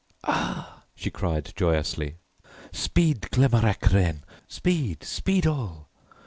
"Ah!" she cried joyously, "speed Glemarec René! speed! speed all!